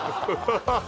ハハハ